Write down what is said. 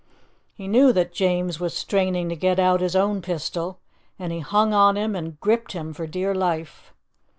He knew that James was straining to get out his own pistol, and he hung on him and gripped him for dear life.